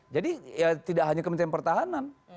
jadi ya tidak hanya kementerian pertahanan